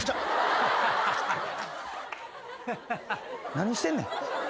何してんねん。